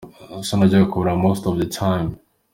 So, najyaga kumureba most of the times.